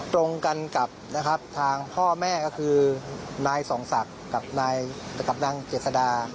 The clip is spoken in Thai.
ตรงกันกับทางพ่อแม่ก็คือนายส่องศักดิ์กับนางเจษฎา